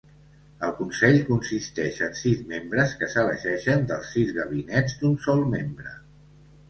El consell consisteix en sis membres que s'elegeixen dels sis gabinets d'un sol membre.